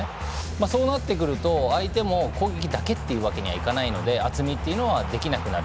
そうなってくると相手も攻撃だけっていうわけにはいかないので厚みっていうのはできなくなる。